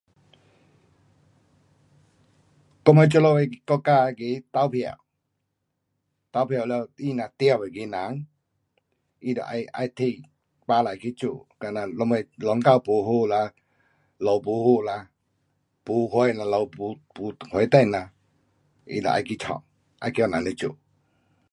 我们这里国家那个投票。投票了他若中那个人，他得要，要替百姓去做好像什么隆沟不好啦，路不好啦，没火咯，咯没火灯啊，他就要去弄，要叫人来做。